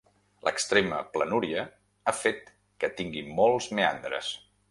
L'extrema planúria ha fet que tingui molts meandres.